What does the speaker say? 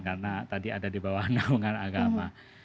karena tadi ada di bawah namungan agama